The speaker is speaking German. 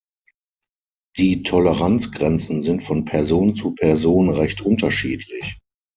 Die Toleranzgrenzen sind von Person zu Person recht unterschiedlich.